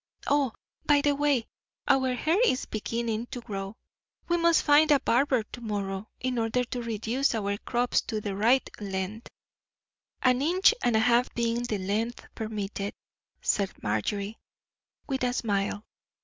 Oh, by the way! our hair is beginning to grow; we must find a barber to morrow in order to reduce our crops to the right length." "An inch and a half being the length permitted," said Marjorie, with a smile.